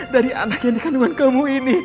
dari anak yang dikandungan kamu ini